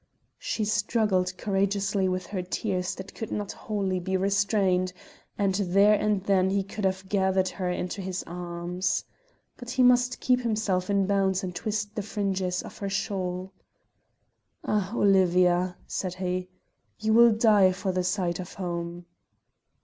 She struggled courageously with her tears that could not wholly be restrained, and there and then he could have gathered her into his arms. But he must keep himself in bounds and twist the fringes of her shawl. "Ah, Olivia," said he, "you will die for the sight of home."